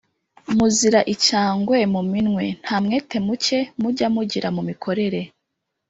muzira icyangwe mu minwe: nta mwete muke mujya mugira mu mikorere